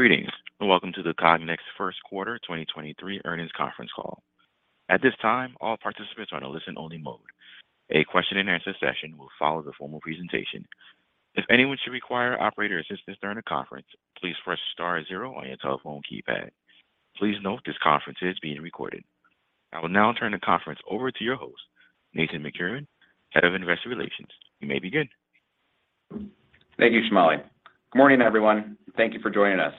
Greetings, welcome to the Cognex first quarter 2023 earnings conference call. At this time, all participants are in a listen only mode. A question and answer session will follow the formal presentation. If anyone should require operator assistance during the conference, please press star zero on your telephone keypad. Please note this conference is being recorded. I will now turn the conference over to your host, Nathan McCurren, Head of Investor Relations. You may begin. Thank you, Shmuley. Good morning, everyone. Thank you for joining us.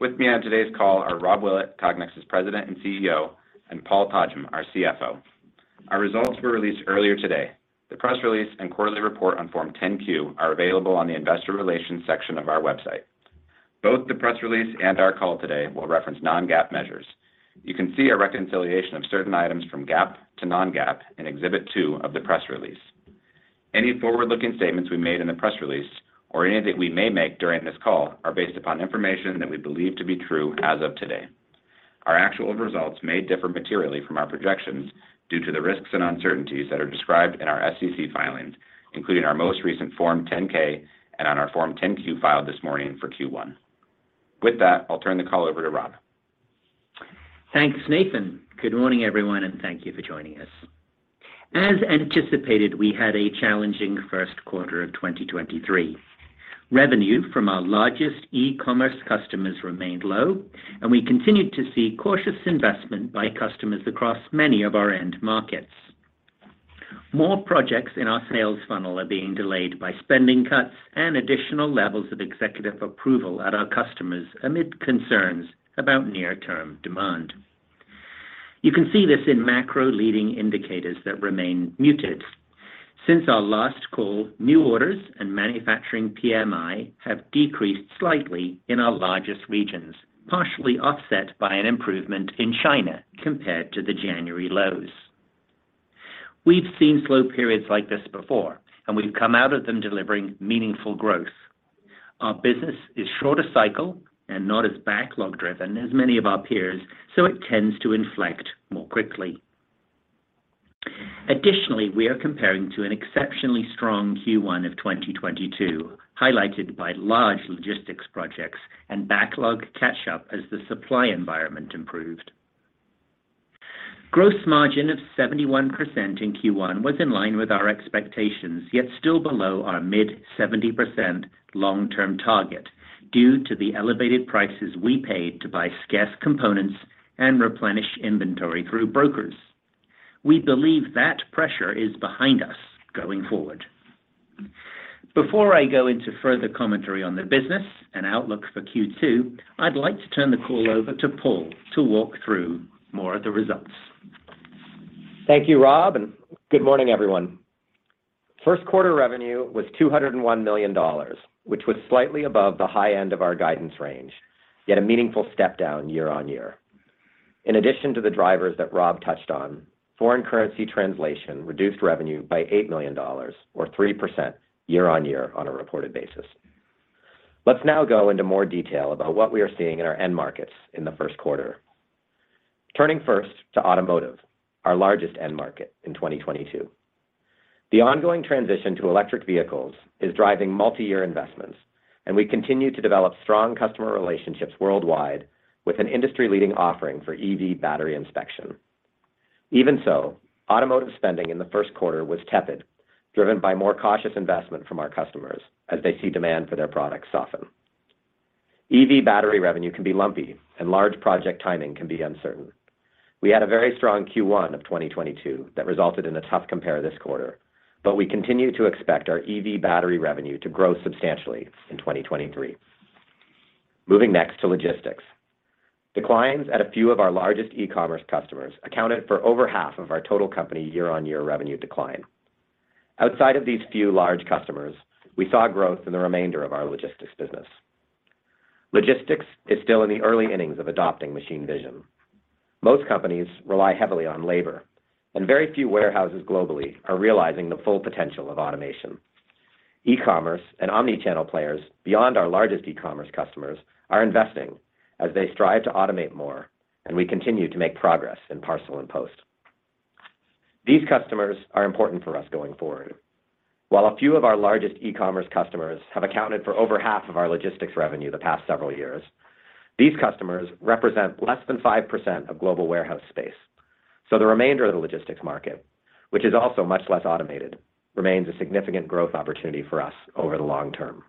With me on today's call are Rob Willett, Cognex's President and CEO, and Paul Todgham, our CFO. Our results were released earlier today. The press release and quarterly report on Form 10-Q are available on the investor relations section of our website. Both the press release and our call today will reference non-GAAP measures. You can see a reconciliation of certain items from GAAP to non-GAAP in exhibit two of the press release. Any forward-looking statements we made in the press release or any that we may make during this call are based upon information that we believe to be true as of today. Our actual results may differ materially from our projections due to the risks and uncertainties that are described in our SEC filings, including our most recent Form 10-K and on our Form 10-Q filed this morning for Q1. With that, I'll turn the call over to Rob. Thanks, Nathan. Good morning, everyone. Thank you for joining us. As anticipated, we had a challenging first quarter of 2023. Revenue from our largest e-commerce customers remained low. We continued to see cautious investment by customers across many of our end markets. More projects in our sales funnel are being delayed by spending cuts and additional levels of executive approval at our customers amid concerns about near-term demand. You can see this in macro leading indicators that remain muted. Since our last call, new orders and manufacturing PMI have decreased slightly in our largest regions, partially offset by an improvement in China compared to the January lows. We've seen slow periods like this before. We've come out of them delivering meaningful growth. Our business is shorter cycle and not as backlog driven as many of our peers. It tends to inflect more quickly. Additionally, we are comparing to an exceptionally strong Q1 of 2022, highlighted by large logistics projects and backlog catch up as the supply environment improved. Gross margin of 71% in Q1 was in line with our expectations, yet still below our mid 70% long-term target due to the elevated prices we paid to buy scarce components and replenish inventory through brokers. We believe that pressure is behind us going forward. Before I go into further commentary on the business and outlook for Q2, I'd like to turn the call over to Paul to walk through more of the results. Thank you, Rob. Good morning, everyone. First quarter revenue was $201 million, which was slightly above the high end of our guidance range, yet a meaningful step down year-on-year. In addition to the drivers that Rob touched on, foreign currency translation reduced revenue by $8 million or 3% year-on-year on a reported basis. Let's now go into more detail about what we are seeing in our end markets in the first quarter. Turning first to automotive, our largest end market in 2022. The ongoing transition to electric vehicles is driving multi-year investments, and we continue to develop strong customer relationships worldwide with an industry-leading offering for EV battery inspection. Even so, automotive spending in the first quarter was tepid, driven by more cautious investment from our customers as they see demand for their products soften. EV battery revenue can be lumpy and large project timing can be uncertain. We had a very strong Q1 of 2022 that resulted in a tough compare this quarter, but we continue to expect our EV battery revenue to grow substantially in 2023. Moving next to logistics. Declines at a few of our largest e-commerce customers accounted for over half of our total company year-over-year revenue decline. Outside of these few large customers, we saw growth in the remainder of our logistics business. Logistics is still in the early innings of adopting machine vision. Most companies rely heavily on labor, and very few warehouses globally are realizing the full potential of automation. E-commerce and omni-channel players beyond our largest e-commerce customers are investing as they strive to automate more, and we continue to make progress in parcel and post. These customers are important for us going forward. While a few of our largest e-commerce customers have accounted for over half of our logistics revenue the past several years, these customers represent less than 5% of global warehouse space. The remainder of the logistics market, which is also much less automated, remains a significant growth opportunity for us over the long term.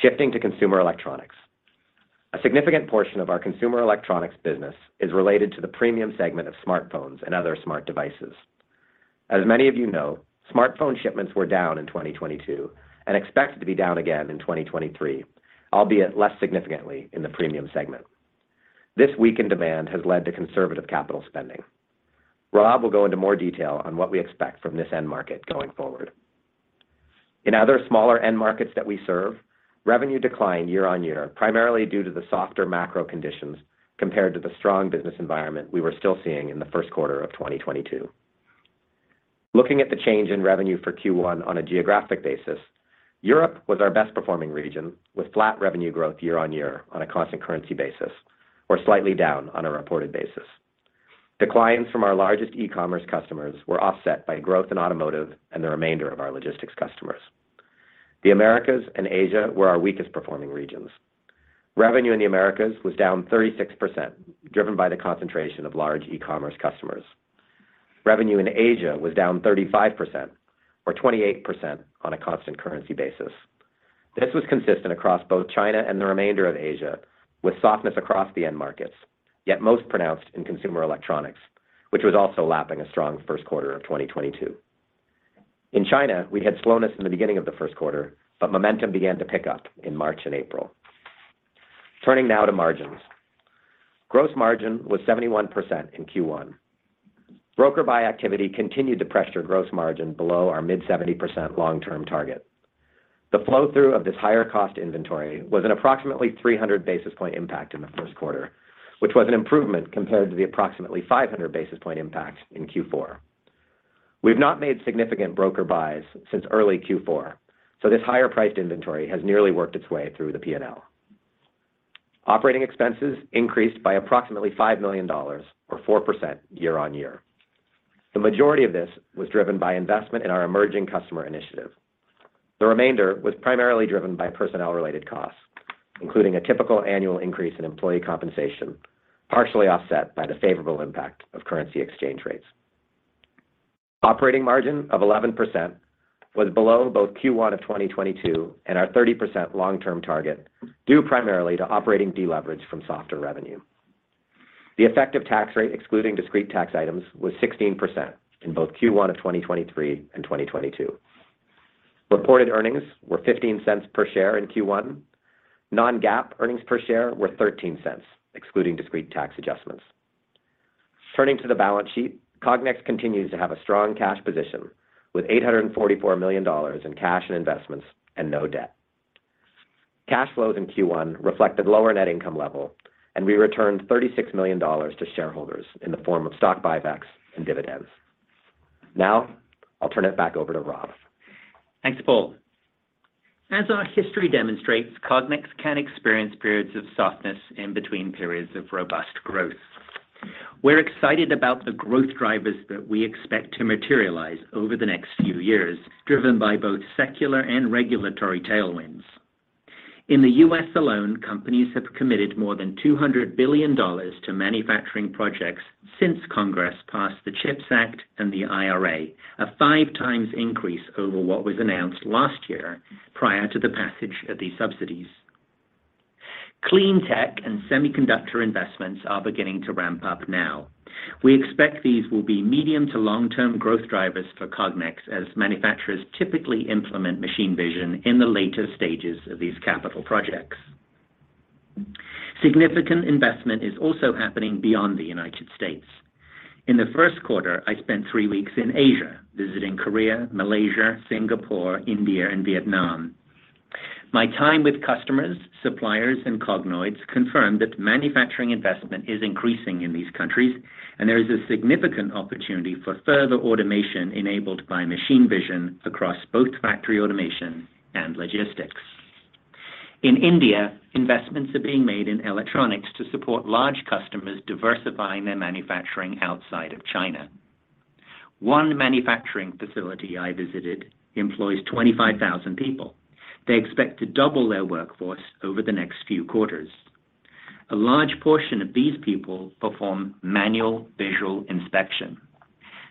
Shifting to consumer electronics. A significant portion of our consumer electronics business is related to the premium segment of smartphones and other smart devices. As many of you know, smartphone shipments were down in 2022 and expected to be down again in 2023, albeit less significantly in the premium segment. This weakened demand has led to conservative capital spending. Rob will go into more detail on what we expect from this end market going forward. In other smaller end markets that we serve, revenue declined year-on-year, primarily due to the softer macro conditions compared to the strong business environment we were still seeing in the first quarter of 2022. Looking at the change in revenue for Q1 on a geographic basis, Europe was our best performing region with flat revenue growth year-on-year on a constant currency basis, or slightly down on a reported basis. Declines from our largest e-commerce customers were offset by growth in automotive and the remainder of our logistics customers. The Americas and Asia were our weakest performing regions. Revenue in the Americas was down 36%, driven by the concentration of large e-commerce customers. Revenue in Asia was down 35% or 28% on a constant currency basis. This was consistent across both China and the remainder of Asia, with softness across the end markets, yet most pronounced in consumer electronics, which was also lapping a strong first quarter of 2022. In China, we had slowness in the beginning of the first quarter. Momentum began to pick up in March and April. Turning now to margins. Gross margin was 71% in Q1. Broker buy activity continued to pressure gross margin below our mid-70% long-term target. The flow-through of this higher cost inventory was an approximately 300 basis point impact in the first quarter, which was an improvement compared to the approximately 500 basis point impact in Q4. We've not made significant broker buys since early Q4. This higher-priced inventory has nearly worked its way through the P&L. Operating expenses increased by approximately $5 million or 4% year-on-year. The majority of this was driven by investment in our emerging customer initiative. The remainder was primarily driven by personnel-related costs, including a typical annual increase in employee compensation, partially offset by the favorable impact of currency exchange rates. Operating margin of 11% was below both Q1 of 2022 and our 30% long-term target, due primarily to operating deleverage from softer revenue. The effective tax rate, excluding discrete tax items, was 16% in both Q1 of 2023 and 2022. Reported earnings were $0.15 per share in Q1. Non-GAAP earnings per share were $0.13, excluding discrete tax adjustments. Turning to the balance sheet, Cognex continues to have a strong cash position with $844 million in cash and investments and no debt. Cash flows in Q1 reflected lower net income level. We returned $36 million to shareholders in the form of stock buybacks and dividends. Now I'll turn it back over to Rob. Thanks, Paul. As our history demonstrates, Cognex can experience periods of softness in between periods of robust growth. We're excited about the growth drivers that we expect to materialize over the next few years, driven by both secular and regulatory tailwinds. In the U.S. alone, companies have committed more than $200 billion to manufacturing projects since Congress passed the CHIPS Act and the IRA, a five times increase over what was announced last year prior to the passage of these subsidies. Clean tech and semiconductor investments are beginning to ramp up now. We expect these will be medium to long term growth drivers for Cognex as manufacturers typically implement machine vision in the later stages of these capital projects. Significant investment is also happening beyond the United States. In the first quarter, I spent three weeks in Asia visiting Korea, Malaysia, Singapore, India, and Vietnam. My time with customers, suppliers, and Cognoids confirmed that manufacturing investment is increasing in these countries, and there is a significant opportunity for further automation enabled by machine vision across both factory automation and logistics. In India, investments are being made in electronics to support large customers diversifying their manufacturing outside of China. One manufacturing facility I visited employs 25,000 people. They expect to double their workforce over the next few quarters. A large portion of these people perform manual visual inspection.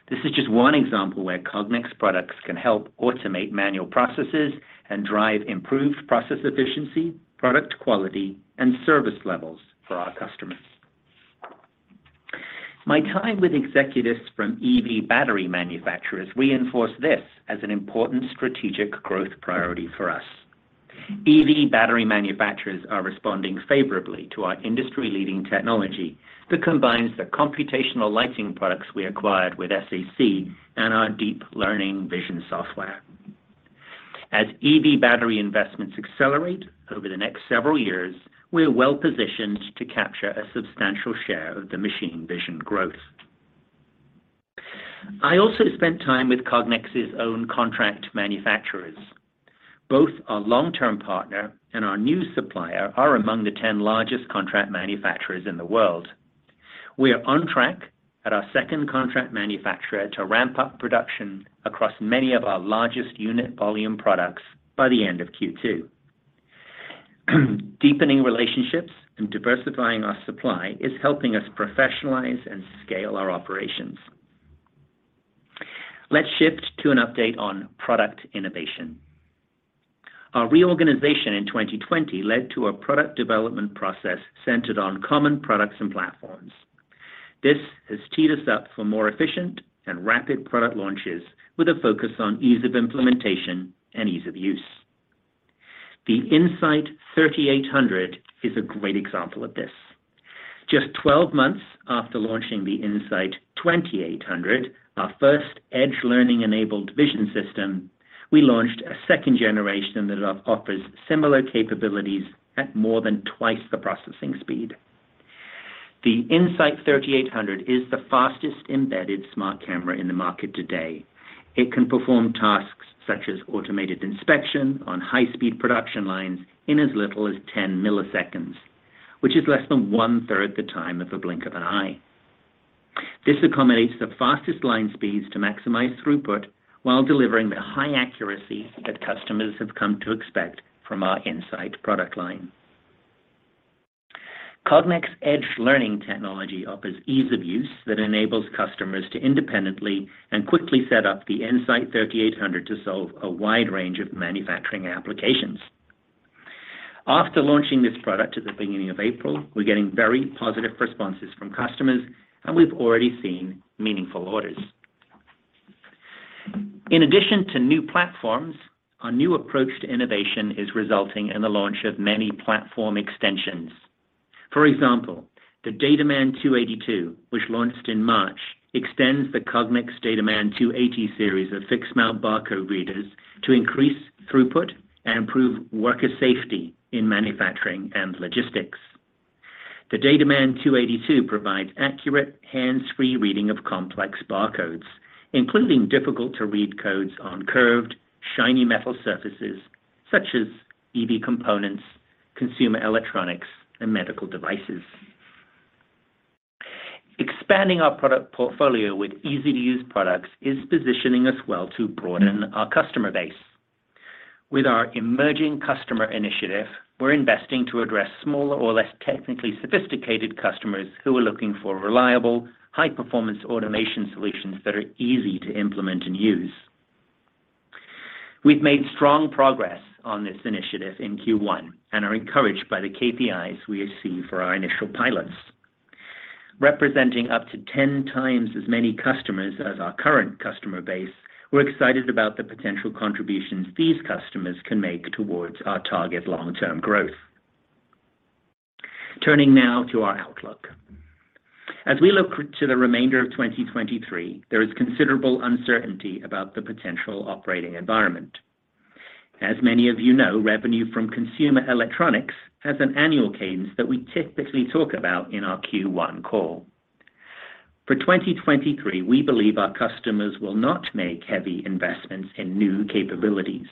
This is just one example where Cognex products can help automate manual processes and drive improved process efficiency, product quality, and service levels for our customers. My time with executives from EV battery manufacturers reinforce this as an important strategic growth priority for us. EV battery manufacturers are responding favorably to our industry-leading technology that combines the computational lighting products we acquired with SAC and our deep learning vision software. As EV battery investments accelerate over the next several years, we are well-positioned to capture a substantial share of the machine vision growth. I also spent time with Cognex's own contract manufacturers. Both our long-term partner and our new supplier are among the 10 largest contract manufacturers in the world. We are on track at our second contract manufacturer to ramp up production across many of our largest unit volume products by the end of Q2. Deepening relationships and diversifying our supply is helping us professionalize and scale our operations. Let's shift to an update on product innovation. Our reorganization in 2020 led to a product development process centered on common products and platforms. This has teed us up for more efficient and rapid product launches with a focus on ease of implementation and ease of use. The In-Sight 3800 is a great example of this. Just 12 months after launching the In-Sight 2800, our first Edge Learning-enabled vision system, we launched a second generation that offers similar capabilities at more than twice the processing speed. The In-Sight 3800 is the fastest embedded smart camera in the market today. It can perform tasks such as automated inspection on high speed production lines in as little as 10 milliseconds, which is less than one-third the time of a blink of an eye. This accommodates the fastest line speeds to maximize throughput while delivering the high accuracy that customers have come to expect from our In-Sight product line. Cognex Edge Learning technology offers ease of use that enables customers to independently and quickly set up the In-Sight 3800 to solve a wide range of manufacturing applications. After launching this product at the beginning of April, we're getting very positive responses from customers, and we've already seen meaningful orders. In addition to new platforms, our new approach to innovation is resulting in the launch of many platform extensions. For example, the DataMan 282, which launched in March, extends the Cognex DataMan 280 series of fixed mount barcode readers to increase throughput and improve worker safety in manufacturing and logistics. The DataMan 282 provides accurate hands-free reading of complex barcodes, including difficult to read codes on curved, shiny metal surfaces such as EV components, consumer electronics, and medical devices. Expanding our product portfolio with easy to use products is positioning us well to broaden our customer base. With our emerging customer initiative, we're investing to address smaller or less technically sophisticated customers who are looking for reliable, high-performance automation solutions that are easy to implement and use. We've made strong progress on this initiative in Q1 and are encouraged by the KPIs we have seen for our initial pilots. Representing up to 10 times as many customers as our current customer base, we're excited about the potential contributions these customers can make towards our target long-term growth. Turning now to our outlook. As we look to the remainder of 2023, there is considerable uncertainty about the potential operating environment. As many of you know, revenue from consumer electronics has an annual cadence that we typically talk about in our Q1 call. For 2023, we believe our customers will not make heavy investments in new capabilities.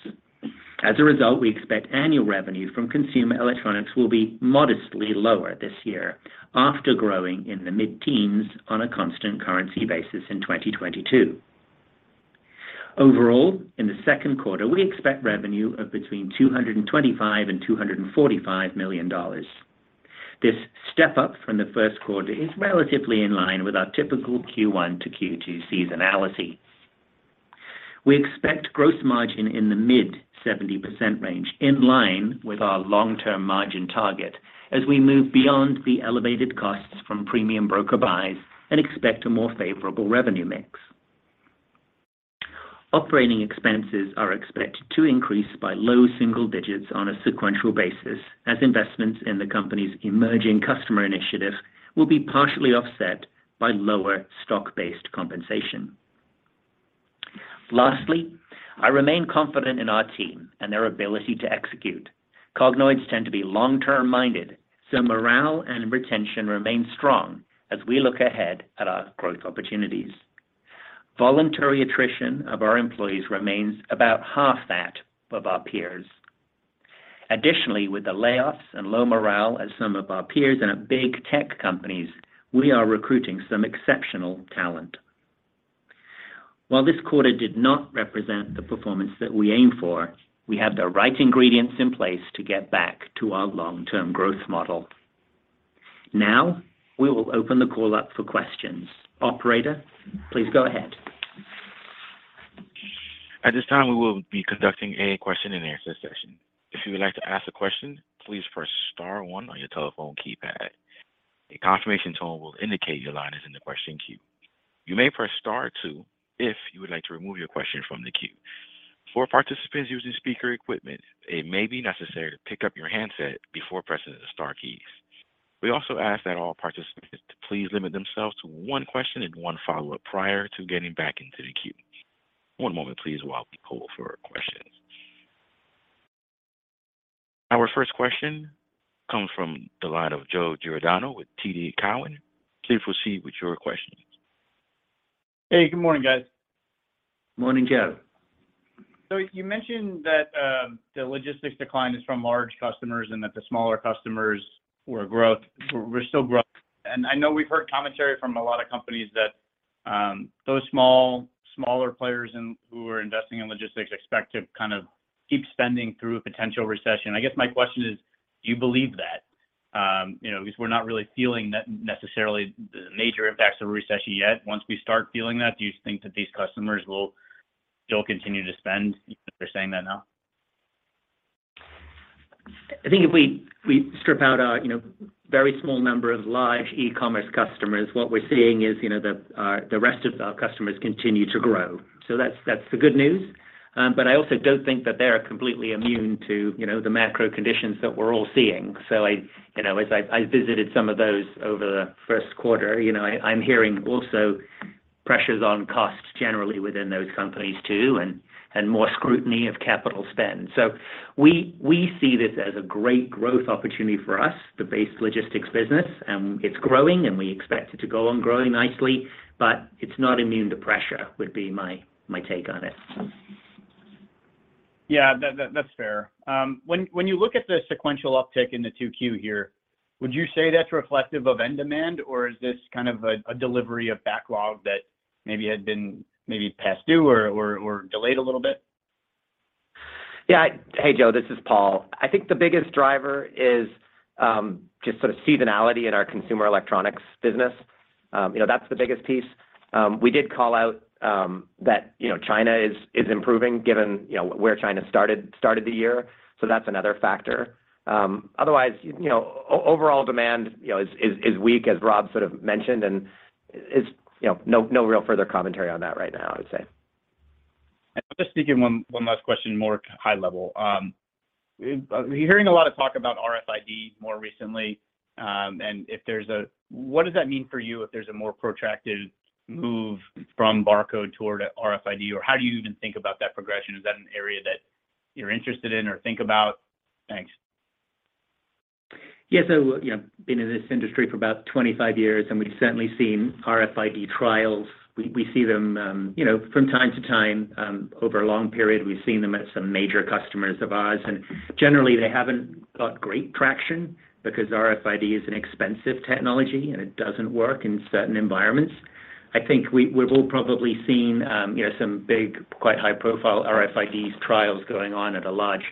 As a result, we expect annual revenue from consumer electronics will be modestly lower this year after growing in the mid-teens on a constant currency basis in 2022. Overall, in the second quarter, we expect revenue of between $225 million and $245 million. This step up from the first quarter is relatively in line with our typical Q1 to Q2 seasonality. We expect gross margin in the mid-70% range, in line with our long-term margin target as we move beyond the elevated costs from premium broker buys and expect a more favorable revenue mix. Operating expenses are expected to increase by low single digits on a sequential basis as investments in the company's emerging customer initiative will be partially offset by lower stock-based compensation. Lastly, I remain confident in our team and their ability to execute. Cognoids tend to be long-term minded, so morale and retention remain strong as we look ahead at our growth opportunities. Voluntary attrition of our employees remains about half that of our peers. Additionally, with the layoffs and low morale at some of our peers and at big tech companies, we are recruiting some exceptional talent. While this quarter did not represent the performance that we aim for, we have the right ingredients in place to get back to our long-term growth model. We will open the call up for questions. Operator, please go ahead. At this time, we will be conducting a question and answer session. If you would like to ask a question, please press star one on your telephone keypad. A confirmation tone will indicate your line is in the question queue. You may press star two if you would like to remove your question from the queue. For participants using speaker equipment, it may be necessary to pick up your handset before pressing the star keys. We also ask that all participants to please limit themselves to one question and one follow-up prior to getting back into the queue. One moment, please, while we poll for questions. Our first question comes from the line of Joe Giordano with TD Cowen. Please proceed with your question. Hey, good morning, guys. Morning, Joe. You mentioned that the logistics decline is from large customers and that the smaller customers were still growing. I know we've heard commentary from a lot of companies that those smaller players and who are investing in logistics expect to kind of keep spending through a potential recession. I guess my question is, do you believe that? You know, because we're not really feeling necessarily the major impacts of a recession yet. Once we start feeling that, do you think that these customers will still continue to spend even if they're saying that now? I think if we strip out our, you know, very small number of large e-commerce customers, what we're seeing is, you know, the rest of our customers continue to grow. That's the good news. But I also don't think that they are completely immune to, you know, the macro conditions that we're all seeing. I, you know, as I visited some of those over the first quarter. You know, I'm hearing also pressures on costs generally within those companies too, and more scrutiny of capital spend. We see this as a great growth opportunity for us, the base logistics business, and it's growing, and we expect it to go on growing nicely, but it's not immune to pressure, would be my take on it. That, that's fair. When you look at the sequential uptick in the Q2 here, would you say that's reflective of end demand, or is this kind of a delivery of backlog that maybe had been maybe past due or delayed a little bit? Hey, Joe, this is Paul. I think the biggest driver is just sort of seasonality in our consumer electronics business. You know, that's the biggest piece. We did call out that, you know, China is improving given, you know, where China started the year. That's another factor. Otherwise, you know, overall demand, you know, is weak, as Rob sort of mentioned, and is, you know, no real further commentary on that right now, I would say. I'll just sneak in one last question, more high level. We're hearing a lot of talk about RFID more recently. What does that mean for you if there's a more protracted move from barcode toward RFID, or how do you even think about that progression? Is that an area that you're interested in or think about? Thanks. Yeah. You know, been in this industry for about 25 years, and we've certainly seen RFID trials. We, we see them, you know, from time to time, over a long period. We've seen them at some major customers of ours, and generally they haven't got great traction because RFID is an expensive technology, and it doesn't work in certain environments. I think we've all probably seen, you know, some big, quite high-profile RFID trials going on at a large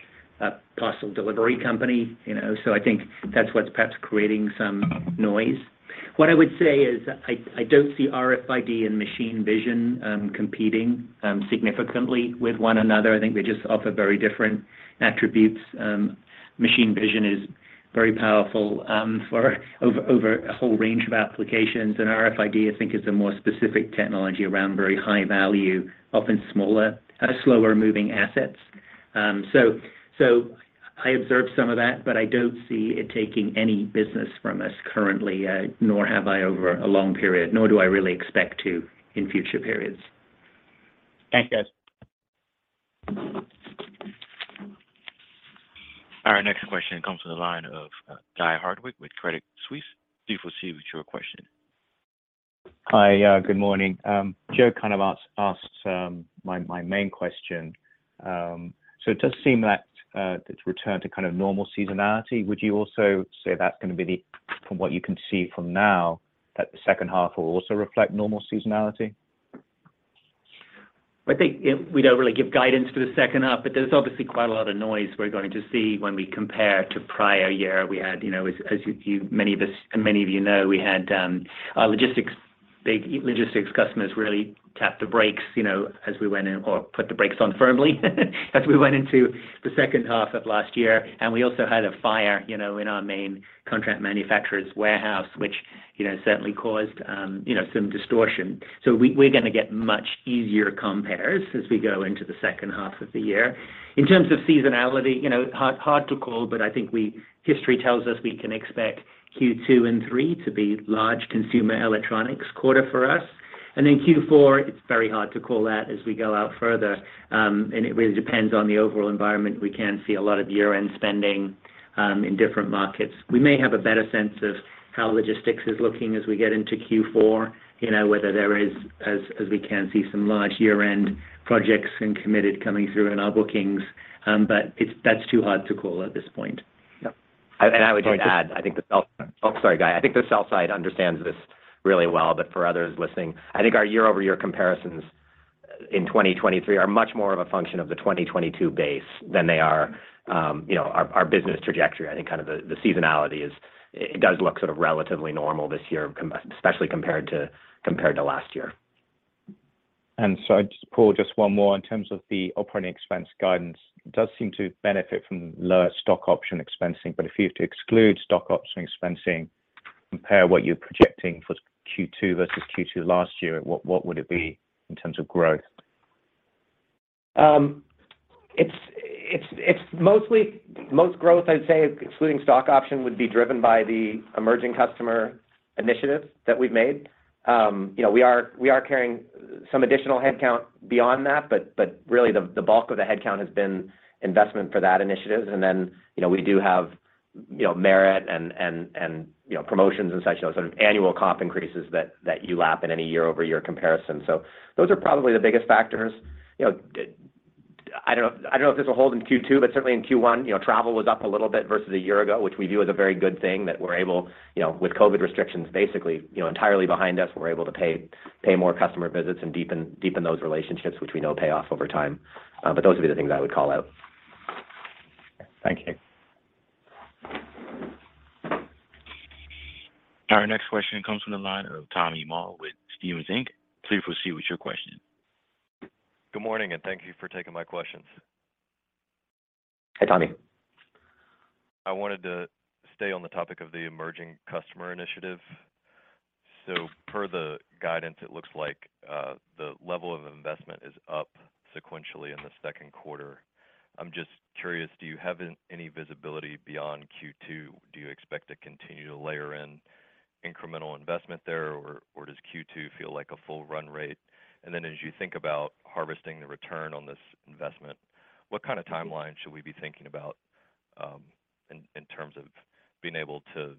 parcel delivery company, you know. I think that's what's perhaps creating some noise. What I would say is I don't see RFID and machine vision competing significantly with one another. I think they just offer very different attributes. Machine vision is very powerful, for over a whole range of applications, and RFID, I think is a more specific technology around very high value, often smaller, slower moving assets. I observed some of that, but I don't see it taking any business from us currently, nor have I over a long period, nor do I really expect to in future periods. Thanks, guys. Our next question comes from the line of, Guy Hardwick with Credit Suisse. Please proceed with your question. Hi. Yeah, good morning. Joe kind of asked my main question. It does seem that it's returned to kind of normal seasonality. Would you also say that's gonna be the, from what you can see from now, that the second half will also reflect normal seasonality? I think it. We don't really give guidance for the second half, but there's obviously quite a lot of noise we're going to see when we compare to prior year. We had, you know, as many of us and many of you know, we had our logistics big logistics customers really tap the brakes, you know, as we went in, or put the brakes on firmly as we went into the second half of last year. We also had a fire, you know, in our main contract manufacturer's warehouse, which, you know, certainly caused, you know, some distortion. We, we're gonna get much easier compares as we go into the second half of the year. In terms of seasonality, you know, hard to call, but I think we. History tells us we can expect Q2 and Q3 to be large consumer electronics quarter for us. Q4, it's very hard to call that as we go out further, and it really depends on the overall environment. We can see a lot of year-end spending in different markets. We may have a better sense of how logistics is looking as we get into Q4. You know, whether there is as we can see some large year-end projects and committed coming through in our bookings. That's too hard to call at this point. Yeah. I would just add, I think the sell- Sorry. Oh, sorry, Guy. I think the sell side understands this really well, but for others listening, I think our year-over-year comparisons in 2023 are much more of a function of the 2022 base than they are, you know, our business trajectory. I think kind of the seasonality is it does look sort of relatively normal this year especially compared to last year. Just, Paul, just one more. In terms of the operating expense guidance, it does seem to benefit from lower stock option expensing. If you have to exclude stock option expensing, compare what you're projecting for Q2 versus Q2 last year, what would it be in terms of growth? It's most growth, I'd say, excluding stock option, would be driven by the emerging customer initiatives that we've made. You know, we are carrying some additional headcount beyond that, but really the bulk of the headcount has been investment for that initiative. You know, we do have, you know, merit and, you know, promotions and such, those sort of annual comp increases that you lap in any year-over-year comparison. Those are probably the biggest factors. You know, I don't know if this will hold in Q2, but certainly in Q1, you know, travel was up a little bit versus a year ago, which we view as a very good thing that we're able, you know, with COVID restrictions basically, you know, entirely behind us, we're able to pay more customer visits and deepen those relationships, which we know pay off over time. But those would be the things I would call out. Thank you. Our next question comes from the line of Tommy Moll with Stephens Inc. Please proceed with your question. Good morning, thank you for taking my questions. Hey, Tommy. I wanted to stay on the topic of the emerging customer initiative. Per the guidance, it looks like the level of investment is up sequentially in the second quarter. I'm just curious, do you have any visibility beyond Q2? Do you expect to continue to layer in incremental investment there, or does Q2 feel like a full run rate? Then as you think about harvesting the return on this investment, what kind of timeline should we be thinking about? In terms of being able to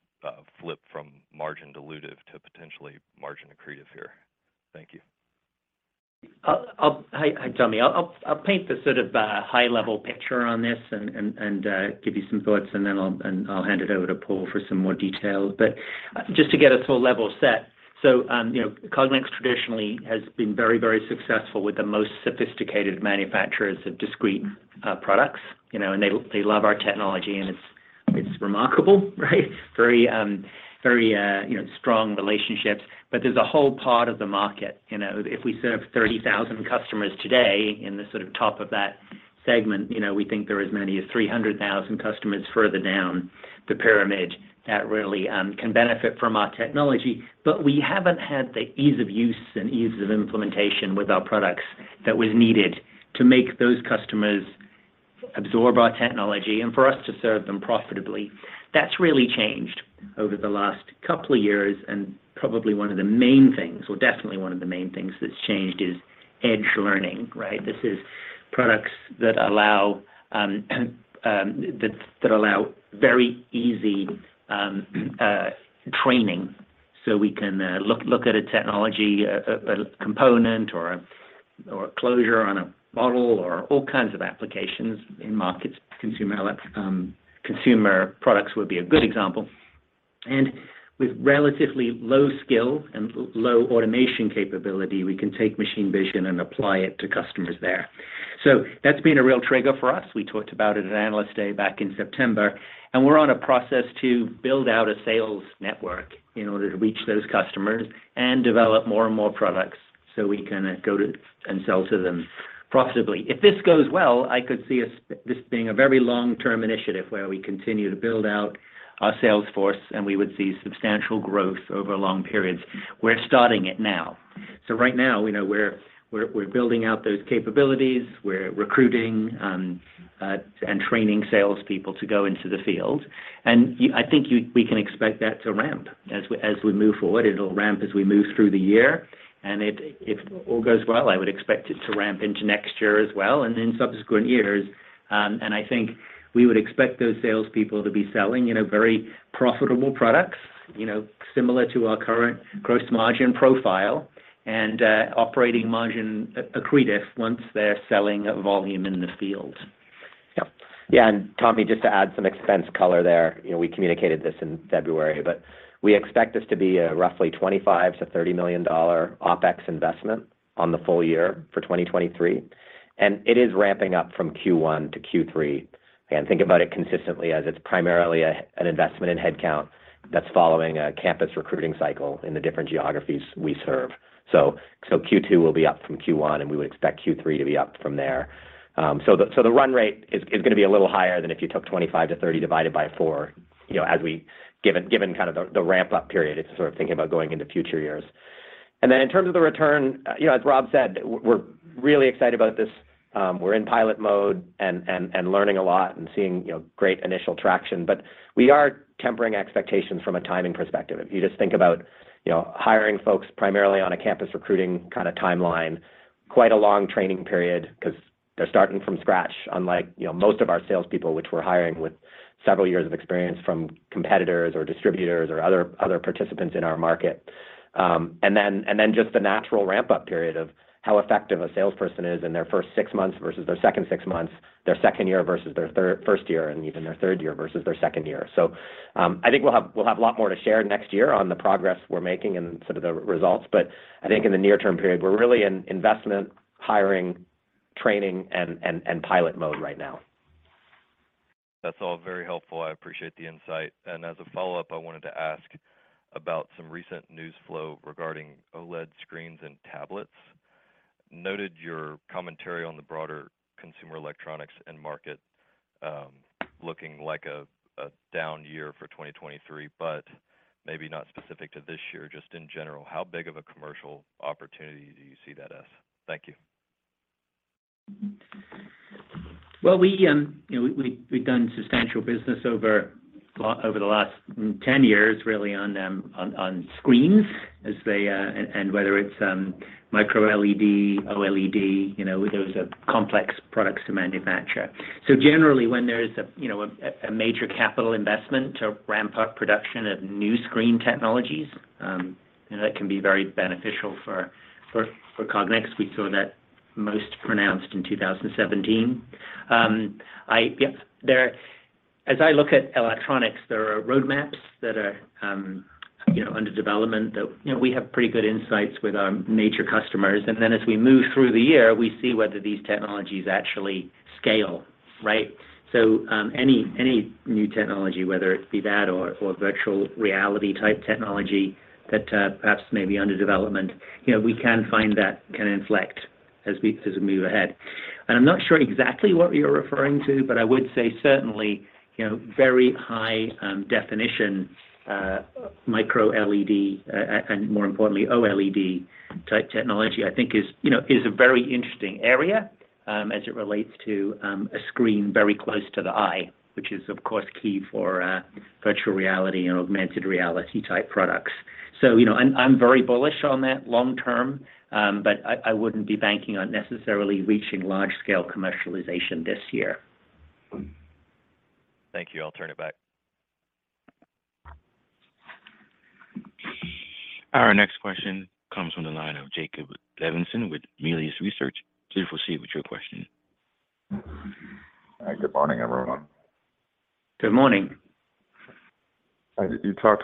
flip from margin dilutive to potentially margin accretive here. Thank you. Hey, Tommy. I'll paint the sort of high-level picture on this and give you some thoughts, and then I'll hand it over to Paul for some more details. Just to get a sort of level set. You know, Cognex traditionally has been very successful with the most sophisticated manufacturers of discrete products, and they love our technology, and it's remarkable, right? Very, you know, strong relationships. There's a whole part of the market, you know, if we serve 30,000 customers today in the sort of top of that segment, you know, we think there are as many as 300,000 customers further down the pyramid that really can benefit from our technology. We haven't had the ease of use and ease of implementation with our products that was needed to make those customers absorb our technology and for us to serve them profitably. That's really changed over the last couple of years, and probably one of the main things, or definitely one of the main things that's changed is Edge Learning, right? This is products that allow that allow very easy training. We can look at a technology, a component or a closure on a model or all kinds of applications in markets. Consumer products would be a good example. With relatively low skill and low automation capability, we can take machine vision and apply it to customers there. That's been a real trigger for us. We talked about it at Analyst Day back in September. We're on a process to build out a sales network in order to reach those customers and develop more and more products so we can go to and sell to them profitably. If this goes well, I could see this being a very long-term initiative where we continue to build out our sales force. We would see substantial growth over long periods. We're starting it now. Right now, you know, we're building out those capabilities. We're recruiting and training salespeople to go into the field. I think we can expect that to ramp as we move forward. It'll ramp as we move through the year. If all goes well, I would expect it to ramp into next year as well, and in subsequent years. I think we would expect those salespeople to be selling, you know, very profitable products, you know, similar to our current gross margin profile and operating margin accretive once they're selling volume in the field. Yeah. Yeah, and Tommy, just to add some expense color there, you know, we communicated this in February, but we expect this to be a roughly $25 million-$30 million OpEx investment on the full year for 2023, and it is ramping up from Q1 to Q3. Again, think about it consistently as it's primarily an investment in headcount that's following a campus recruiting cycle in the different geographies we serve. Q2 will be up from Q1, and we would expect Q3 to be up from there. The run rate is gonna be a little higher than if you took 25-30 divided by four, you know, as we given kind of the ramp-up period and sort of thinking about going into future years. In terms of the return, you know, as Rob said, we're really excited about this. We're in pilot mode and learning a lot and seeing, you know, great initial traction. We are tempering expectations from a timing perspective. If you just think about, you know, hiring folks primarily on a campus recruiting kind of timeline, quite a long training period 'cause they're starting from scratch, unlike, you know, most of our salespeople, which we're hiring with several years of experience from competitors or distributors or other participants in our market. Just the natural ramp-up period of how effective a salesperson is in their first six months versus their second six months, their second year versus their first year, and even their third year versus their second year. I think we'll have a lot more to share next year on the progress we're making and sort of the results. I think in the near-term period, we're really in investment, hiring, training, and pilot mode right now. That's all very helpful. I appreciate the insight. As a follow-up, I wanted to ask about some recent news flow regarding OLED screens and tablets. Noted your commentary on the broader consumer electronics end market, looking like a down year for 2023, but maybe not specific to this year, just in general, how big of a commercial opportunity do you see that as? Thank you. Well, we, you know, we've done substantial business over the last 10 years really on screens as they, and whether it's MicroLED, OLED, you know, those are complex products to manufacture. Generally, when there's a, you know, a major capital investment to ramp up production of new screen technologies, you know, that can be very beneficial for Cognex. We saw that most pronounced in 2017. As I look at electronics, there are roadmaps that are, you know, under development that, you know, we have pretty good insights with our major customers. Then as we move through the year, we see whether these technologies actually scale, right? Any new technology, whether it be that or virtual reality type technology that perhaps may be under development, you know, we can find that can inflect as we move ahead. I'm not sure exactly what you're referring to, but I would say certainly, you know, very high definition MicroLED and more importantly, OLED type technology, I think is, you know, is a very interesting area as it relates to a screen very close to the eye, which is of course key for virtual reality and augmented reality type products. You know, I'm very bullish on that long term, but I wouldn't be banking on necessarily reaching large scale commercialization this year. Thank you. I'll turn it back. Our next question comes from the line of Jake Levinson with Melius Research. Please proceed with your question. Good morning, everyone. Good morning. You talked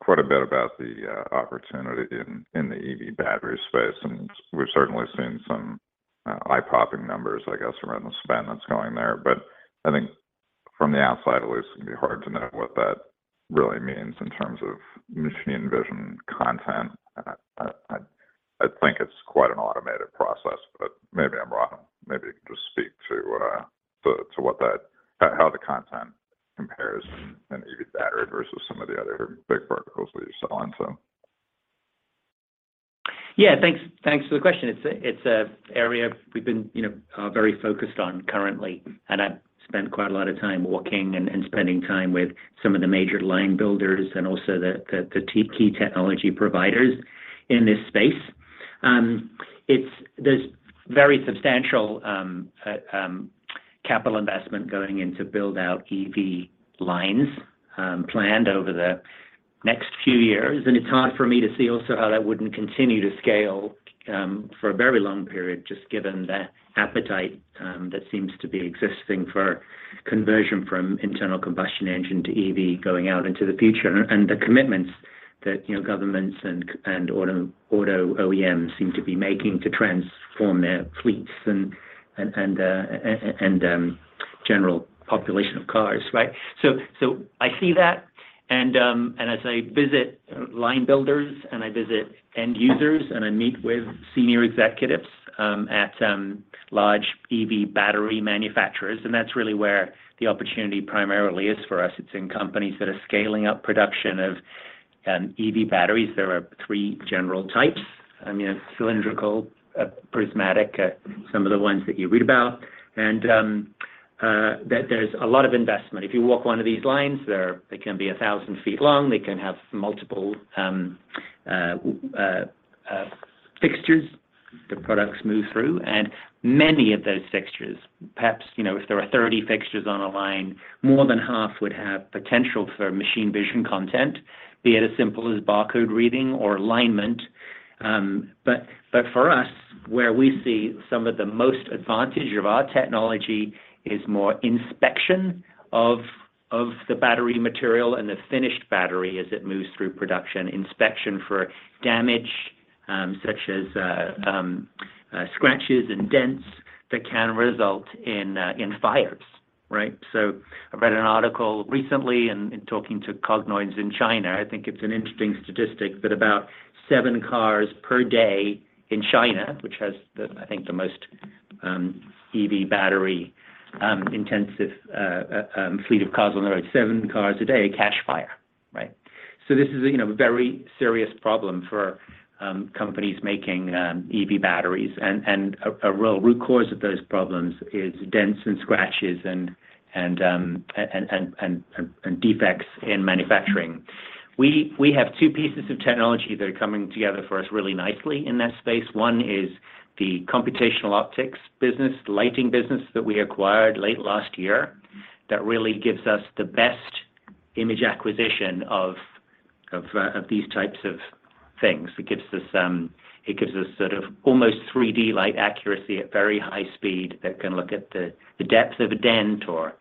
quite a bit about the opportunity in the EV battery space. We've certainly seen some eye-popping numbers, I guess, around the spend that's going there. I think from the outside at least it can be hard to know what that really means in terms of machine vision content. I think it's quite an automated process, but maybe I'm wrong. Maybe just speak to how the content compares in an EV battery versus some of the other big verticals that you're selling to. Yeah. Thanks, thanks for the question. It's a, it's an area we've been, you know, very focused on currently. I've spent quite a lot of time walking and spending time with some of the major line builders and also the key technology providers in this space. There's very substantial capital investment going in to build out EV lines, planned over the next few years. It's hard for me to see also how that wouldn't continue to scale for a very long period, just given the appetite that seems to be existing for conversion from internal combustion engine to EV going out into the future. The commitments that, you know, governments and auto OEMs seem to be making to transform their fleets and general population of cars, right? I see that. As I visit line builders and I visit end users and I meet with senior executives at large EV battery manufacturers, and that's really where the opportunity primarily is for us. It's in companies that are scaling up production of EV batteries. There are three general types. I mean, a cylindrical, a prismatic, some of the ones that you read about. There's a lot of investment. If you walk one of these lines, they can be 1,000 feet long. They can have multiple fixtures the products move through. Many of those fixtures, perhaps, you know, if there are 30 fixtures on a line, more than half would have potential for machine vision content, be it as simple as barcode reading or alignment. But for us, where we see some of the most advantage of our technology is more inspection of the battery material and the finished battery as it moves through production, inspection for damage, such as scratches and dents that can result in fires, right? I read an article recently in talking to Cognoids in China. I think it's an interesting statistic that about seven cars per day in China, which has the, I think the most EV battery intensive fleet of cars on the road, seven cars a day catch fire, right? This is a, you know, very serious problem for companies making EV batteries. A real root cause of those problems is dents and scratches and defects in manufacturing. We have two pieces of technology that are coming together for us really nicely in that space. One is the computational optics business, lighting business that we acquired late last year that really gives us the best image acquisition of these types of things. It gives us sort of almost 3D light accuracy at very high speed that can look at the depth of a dent or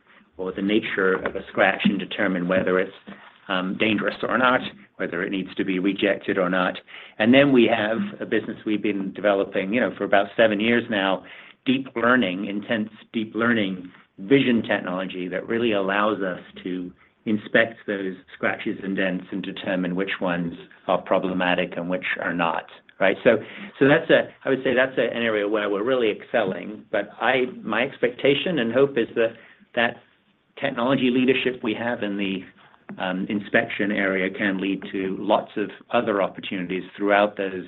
the nature of a scratch and determine whether it's dangerous or not, whether it needs to be rejected or not. Then we have a business we've been developing, you know, for about seven years now, deep learning, intense deep learning vision technology that really allows us to inspect those scratches and dents and determine which ones are problematic and which are not, right? That's an area where we're really excelling. My expectation and hope is that that technology leadership we have in the inspection area can lead to lots of other opportunities throughout those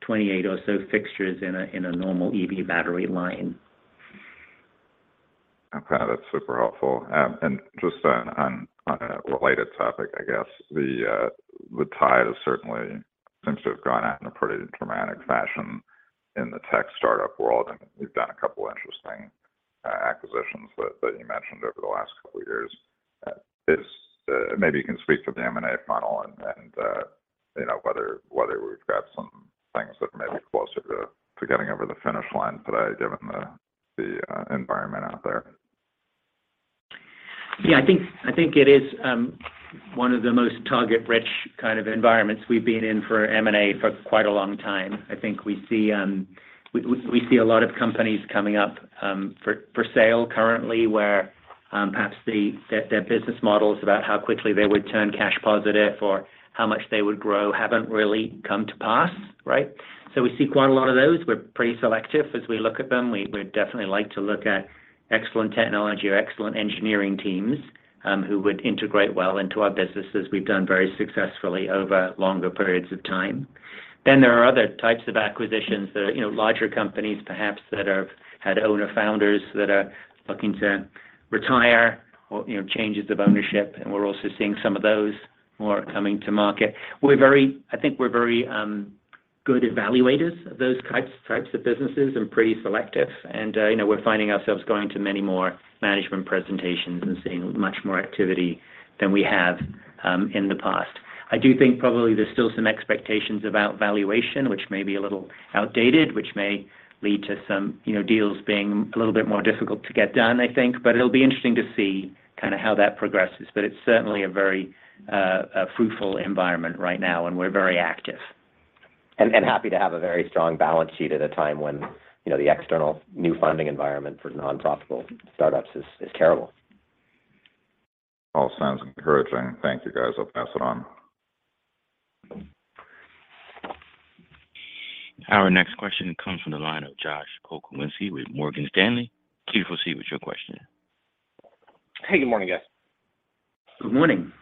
28 or so fixtures in a normal EV battery line. Okay. That's super helpful. Just on, on a related topic, I guess the tide certainly seems to have gone out in a pretty dramatic fashion in the tech startup world, and you've done a couple interesting acquisitions that you mentioned over the last couple of years. Maybe you can speak to the M&A funnel and, you know, whether we've got some things that may be closer to getting over the finish line today given the, environment out there. Yeah. I think it is one of the most target rich kind of environments we've been in for M&A for quite a long time. I think we see we see a lot of companies coming up for sale currently where perhaps their business models about how quickly they would turn cash positive or how much they would grow haven't really come to pass, right? We see quite a lot of those. We're pretty selective as we look at them. We definitely like to look at excellent technology or excellent engineering teams who would integrate well into our businesses. We've done very successfully over longer periods of time. There are other types of acquisitions that are, you know, larger companies perhaps that have had owner founders that are looking to retire or, you know, changes of ownership, and we're also seeing some of those more coming to market. I think we're very good evaluators of those types of businesses and pretty selective. You know, we're finding ourselves going to many more management presentations and seeing much more activity than we have in the past. I do think probably there's still some expectations about valuation, which may be a little outdated, which may lead to some, you know, deals being a little bit more difficult to get done, I think. It'll be interesting to see kinda how that progresses. It's certainly a very, fruitful environment right now, and we're very active. Happy to have a very strong balance sheet at a time when, you know, the external new funding environment for non-profitable startups is terrible. All sounds encouraging. Thank you, guys. I'll pass it on. Our next question comes from the line of Joshua Pokrzywinski with Morgan Stanley. Please proceed with your question. Hey, good morning, guys. Good morning.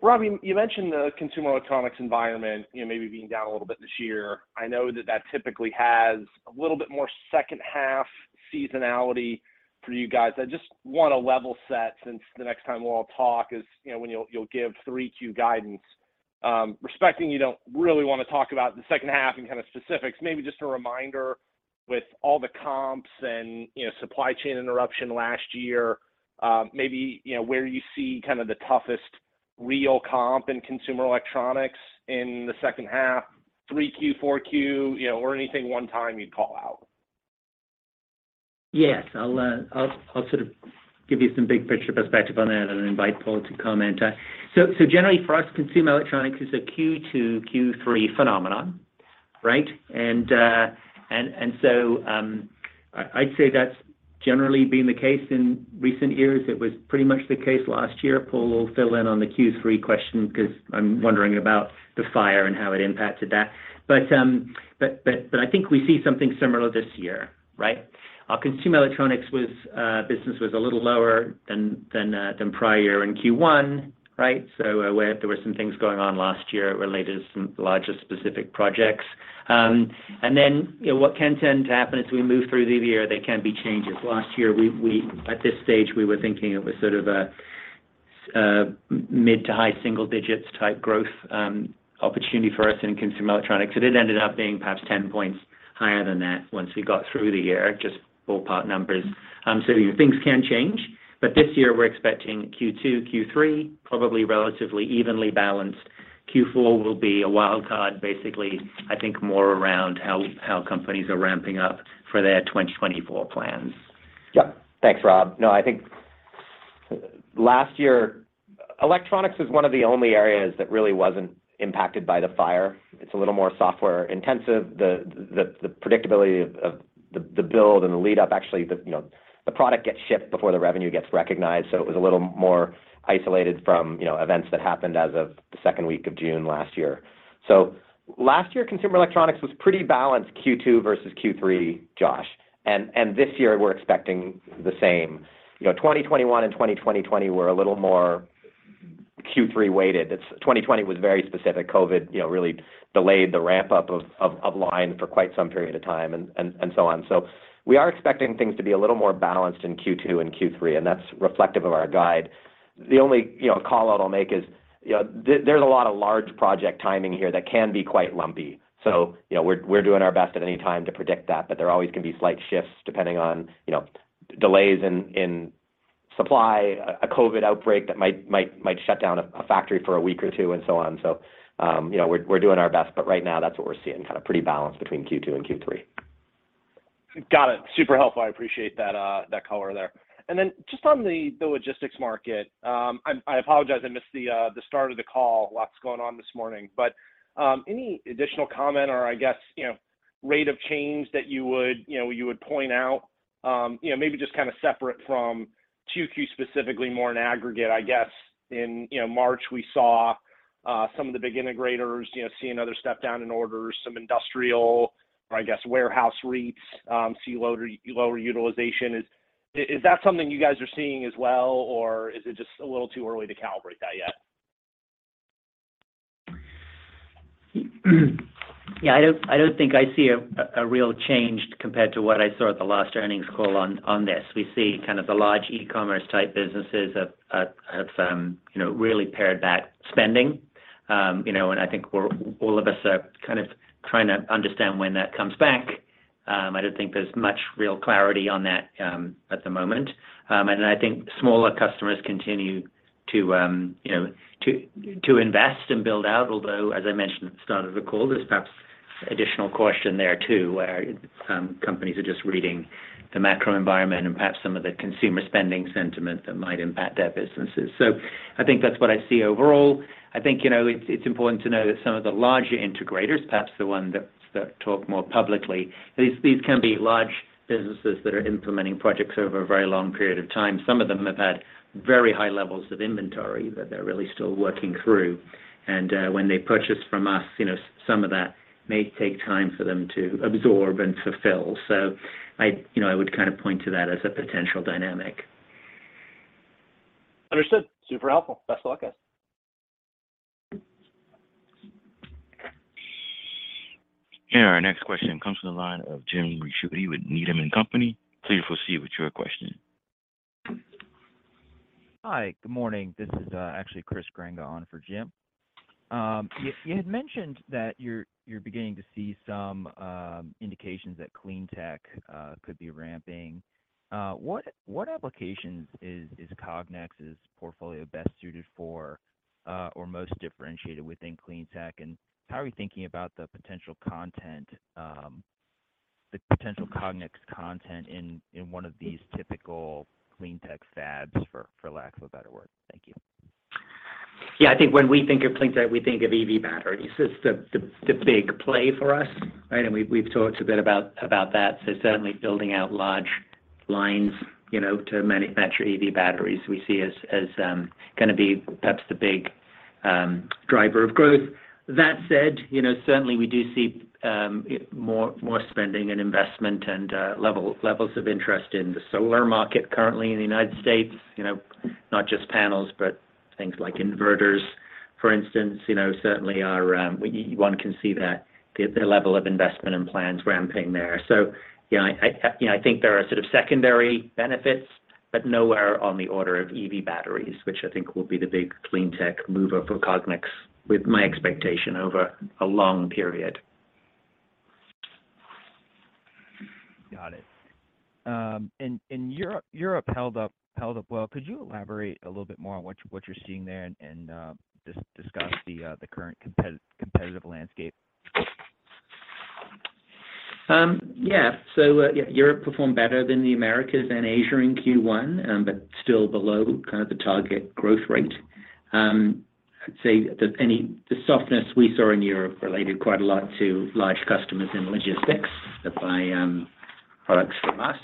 Rob, you mentioned the consumer electronics environment, you know, maybe being down a little bit this year. I know that typically has a little bit more second half seasonality for you guys. I just wanna level set since the next time we'll all talk is, you know, when you'll give Q3 guidance. Respecting you don't really wanna talk about the second half and kinda specifics, maybe just a reminder with all the comps and, you know, supply chain interruption last year, maybe, you know, where you see kinda the toughest real comp in consumer electronics in the second half, Q3, Q4, you know, or anything one time you'd call out? Yes. I'll sort of give you some big picture perspective on that and invite Paul to comment. Generally for us, consumer electronics is a Q2, Q3 phenomenon, right? I'd say that's generally been the case in recent years. It was pretty much the case last year. Paul will fill in on the Q3 question 'cause I'm wondering about the fire and how it impacted that. I think we see something similar this year, right? Our consumer electronics business was a little lower than prior in Q1, right? Where there were some things going on last year related to some larger specific projects. Then, you know, what can tend to happen as we move through the year, there can be changes. Last year, we at this stage, we were thinking it was sort of a mid to high single digits type growth opportunity for us in consumer electronics. It had ended up being perhaps 10 points higher than that once we got through the year, just ballpark numbers. Things can change. This year we're expecting Q2, Q3, probably relatively evenly balanced. Q4 will be a wild card, basically, I think more around how companies are ramping up for their 2024 plans. Yep. Thanks, Rob. No, I think last year, electronics was one of the only areas that really wasn't impacted by the fire. It's a little more software-intensive. The predictability of the build and the lead-up. Actually, the, you know, the product gets shipped before the revenue gets recognized, so it was a little more isolated from, you know, events that happened as of the second week of June last year. Last year, consumer electronics was pretty balanced, Q2 versus Q3, Josh. This year we're expecting the same. You know, 2021 and 2020 were a little more Q3-weighted. 2020 was very specific. COVID, you know, really delayed the ramp-up of line for quite some period of time and so on. We are expecting things to be a little more balanced in Q2 and Q3, and that's reflective of our guide. The only, you know, call-out I'll make is, you know, there's a lot of large project timing here that can be quite lumpy. You know, we're doing our best at any time to predict that, but there always can be slight shifts depending on, you know, delays in supply, a COVID outbreak that might shut down a factory for a week or two and so on. You know, we're doing our best, but right now that's what we're seeing, kinda pretty balanced between Q2 and Q3. Got it. Super helpful. I appreciate that color there. Then just on the logistics market, I apologize, I missed the start of the call, lots going on this morning. Any additional comment or I guess, you know, rate of change that you would, you know, you would point out, you know, maybe just kinda separate from Q2 specifically more in aggregate, I guess? In, you know, March, we saw, some of the big integrators, you know, see another step down in orders, some industrial or I guess warehouse REITs, see lower utilization. Is, is that something you guys are seeing as well, or is it just a little too early to calibrate that yet? Yeah, I don't think I see a real change compared to what I saw at the last earnings call on this. We see kind of the large e-commerce type businesses have, you know, really pared back spending. You know, I think all of us are kind of trying to understand when that comes back. I don't think there's much real clarity on that at the moment. I think smaller customers continue to, you know, to invest and build out, although, as I mentioned at the start of the call, there's perhaps additional caution there too, where companies are just reading the macro environment and perhaps some of the consumer spending sentiment that might impact their businesses. I think that's what I see overall. I think, you know, it's important to note that some of the larger integrators, perhaps the ones that talk more publicly, these can be large businesses that are implementing projects over a very long period of time. Some of them have had very high levels of inventory that they're really still working through. When they purchase from us, you know, some of that may take time for them to absorb and fulfill. I, you know, I would kind of point to that as a potential dynamic. Understood. Super helpful. Best of luck, guys. Our next question comes from the line of Jim Ricchiuti with Needham & Company. Please proceed with your question. Hi. Good morning. This is actually Chris Grenga on for Jim. You had mentioned that you're beginning to see some indications that clean tech could be ramping. What applications is Cognex's portfolio best suited for or most differentiated within clean tech? How are you thinking about the potential content, the potential Cognex content in one of these typical clean tech fabs, for lack of a better word? Thank you. Yeah. I think when we think of clean tech, we think of EV batteries. It's the big play for us, right? We've talked a bit about that. Certainly building out large lines, you know, to manufacture EV batteries, we see as going to be perhaps the big driver of growth. That said, you know, certainly we do see more spending and investment and levels of interest in the solar market currently in the United States. You know, not just panels, but things like inverters, for instance, you know, certainly are. One can see that the level of investment and plans ramping there. You know, I, you know, I think there are sort of secondary benefits, but nowhere on the order of EV batteries, which I think will be the big clean tech mover for Cognex with my expectation over a long period. Got it. Europe held up well. Could you elaborate a little bit more on what you're seeing there and discuss the current competitive landscape? Yeah. Europe performed better than the Americas and Asia in Q1, but still below kind of the target growth rate. I'd say that the softness we saw in Europe related quite a lot to large customers in logistics that buy products from us.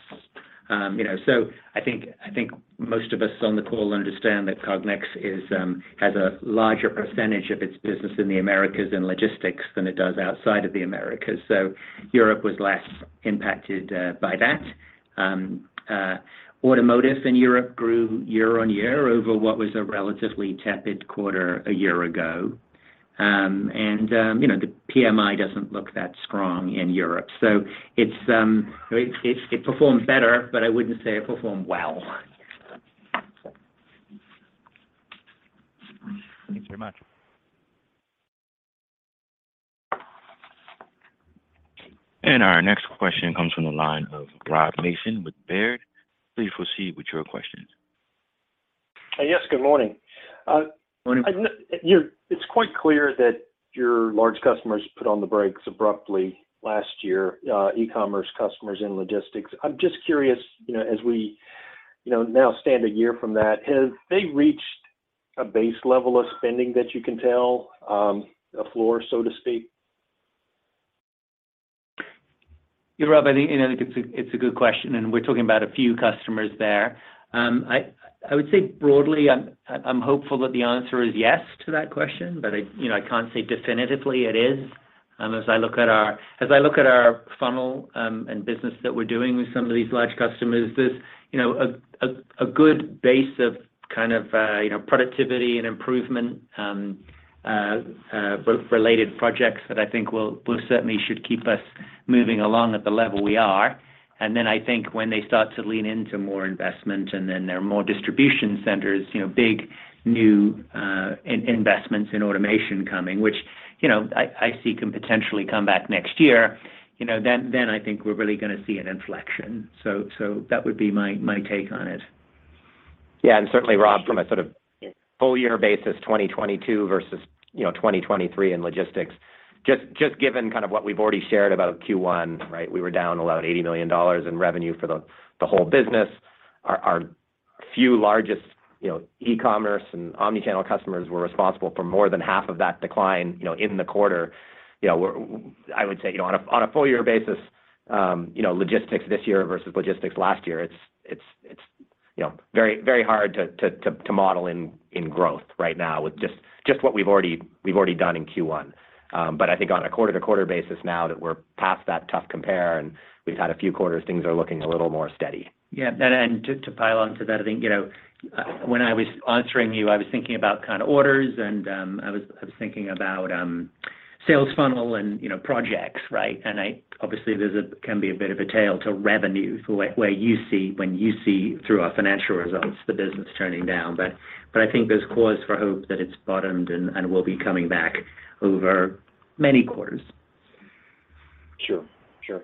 You know, I think most of us on the call understand that Cognex is, has a larger percentage of its business in the Americas and logistics than it does outside of the Americas. Europe was less impacted by that. Automotive in Europe grew year-on-year over what was a relatively tepid quarter a year ago. You know, the PMI doesn't look that strong in Europe, so it's, it performed better, but I wouldn't say it performed well. Thanks very much. Our next question comes from the line of Robert Mason with Baird. Please proceed with your questions. Yes. Good morning. Morning. It's quite clear that your large customers put on the brakes abruptly last year, e-commerce customers and logistics. I'm just curious, you know, as we, you know, now stand a year from that, have they reached a base level of spending that you can tell, a floor, so to speak? Rob, I think, you know, think it's a good question, and we're talking about a few customers there. I would say broadly I'm hopeful that the answer is yes to that question, but I, you know, I can't say definitively it is. As I look at our funnel, and business that we're doing with some of these large customers, there's, you know, a good base of kind of, you know, productivity and improvement, related projects that I think will certainly should keep us moving along at the level we are. I think when they start to lean into more investment, and then there are more distribution centers, you know, big new investments in automation coming, which, you know, I see can potentially come back next year, you know, then I think we're really gonna see an inflection. That would be my take on it. Yeah. Certainly, Rob, from a sort of full year basis, 2022 versus, you know, 2023 in logistics, just given kind of what we've already shared about Q1, right? We were down about $80 million in revenue for the whole business. Our few largest, you know, e-commerce and omnichannel customers were responsible for more than half of that decline, you know, in the quarter. You know, I would say, you know, on a full year basis, you know, logistics this year versus logistics last year, it's, you know, very hard to model in growth right now with just what we've already done in Q1. I think on a quarter to quarter basis now that we're past that tough compare and we've had a few quarters, things are looking a little more steady. Yeah. To pile on to that, I think, you know, when I was answering you, I was thinking about kind of orders and, I was thinking about sales funnel and, you know, projects, right? Obviously, there's a bit of a tail to revenue for where you see, when you see through our financial results the business turning down. I think there's cause for hope that it's bottomed and will be coming back over many quarters. Sure. Sure.